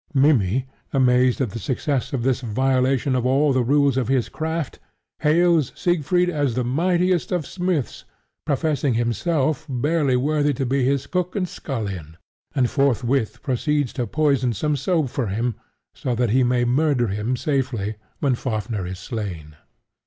Mimmy, amazed at the success of this violation of all the rules of his craft, hails Siegfried as the mightiest of smiths, professing himself barely worthy to be his cook and scullion; and forthwith proceeds to poison some soup for him so that he may murder him safely when Fafnir is slain.